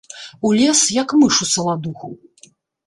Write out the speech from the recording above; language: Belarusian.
Улез, як мыш у саладуху.